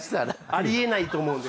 あり得ないと思うんで。